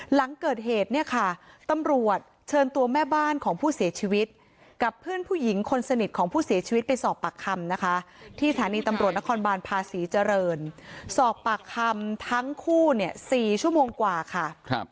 หลังเกิดเหตุเนี่ยค่ะตำรวจเชิญตัวแม่บ้านของผู้เสียชีวิตกับเพื่อนผู้หญิงคนสนิทของผู้เสียชีวิตไปสอบปากคำนะคะที่สถานีตำรวจนครบานภาษีเจริญสอบปากคำทั้งคู่เนี่ย๔ชั่วโมงกว่าค่ะ